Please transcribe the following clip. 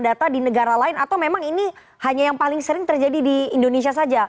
data di negara lain atau memang ini hanya yang paling sering terjadi di indonesia saja